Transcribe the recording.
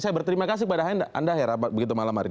saya berterima kasih kepada anda anda hera begitu malam hari ini